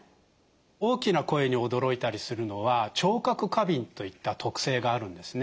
大きな声に驚いたりするのは聴覚過敏といった特性があるんですね。